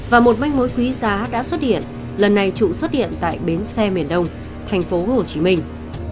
và một manh mối quý giá đã xuất hiện lần này trụ xuất hiện tại bến xe miền đông thành phố hồ chí minh